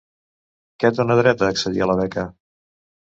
Que dona dret a accedir a la beca.